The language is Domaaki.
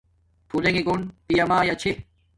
پھولنݣ گُون پیامایا چھے